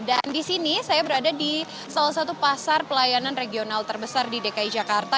dan di sini saya berada di salah satu pasar pelayanan regional terbesar di dki jakarta